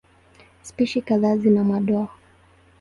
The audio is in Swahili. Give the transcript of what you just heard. Spishi kadhaa zina madoa.